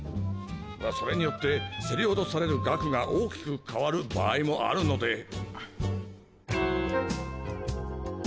それによって競り落とされる額が大きく変わる場合もあるので。